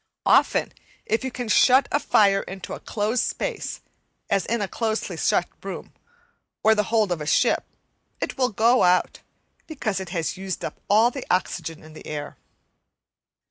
Often, if you can shut a fire into a closed space, as in a closely shut room or the hold of a ship, it will go out, because it has used up all the oxygen in the air.